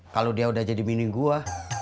kalau dia udah jadi mimpi gue